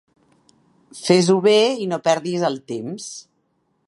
Fes-ho bé i no perdis el temps.